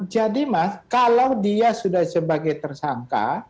jadi mas kalau dia sudah sebagai tersangka